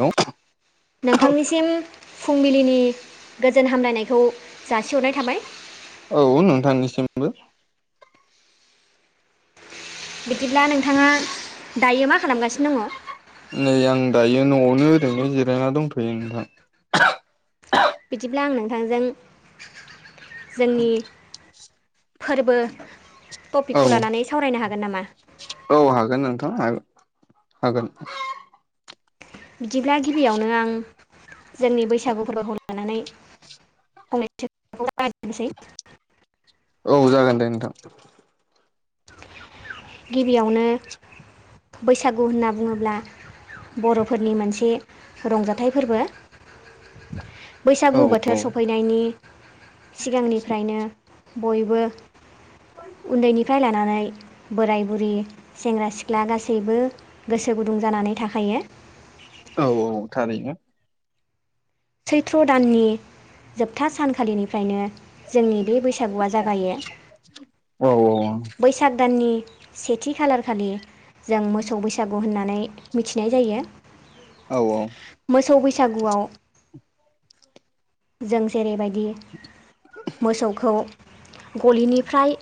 न' नोंथांनिसिम फुंबिलिनि गोजोन हामलायनायखौ जासिहरनाय थाबाय औ नोंथांनिसिमबो बिदिब्ला नोंथाङा दायो मा खालामगासिनो दङ? नै आं दायो न'आवनो ओरैनो जिरायना दंथ'यो नोंथां। बिदिब्ला आं नोंथांजों जोंनि फोरबो टपिकखौ औ लानानै सावरायनो हागोन नामा औ हागोन नोंथां हागो हागोन बिदिब्ला गिबियावनो आं जोंनि बैसागु फोरबोखौ लानानै फंनोसै औ जागोन दे नोंथां गिबियावनो बैसागु होनना बुङोब्ला बर'फोरनि मोनसे रंजाथाइ फोरबो औ बैसागु औ बोथोर सफैनायनि सिगांनिफ्रायनो बयबो उन्दैनिफ्राय लानानै बोराय बुरि सेंग्रा सिख्ला गासैबो गोसो गुदुं जानानै थाखायो। औ औ थारैनो। सैथ्र' दाननि जोबथा सानखालिनिफ्रायनो जोंनि बे बैसागुआ जागायो औ औ बैस साग दाननि सेथि खालारखालि जों मोसौ बैसागु होननानै मिथिनाय जायो। औ औ मोसौ बैसागुआव जों जेरैबायदि मोसौखौ गलिनिफ्राय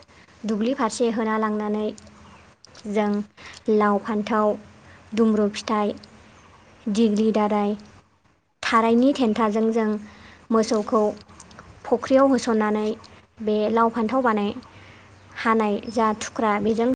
दुब्लि फारसे होना लांनानै जों लाव फान्थाव दुमब्रु फिथाइ दिगग्रि दाराय थारायनि थेन्थाजों जों मोसौखौ फख्रियाव होसननानै बे लाव फान्थाव बानाय हानाय जा थुख्रा बेजों